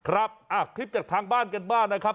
ครับคลิปจากทางบ้านกันบ้างนะครับ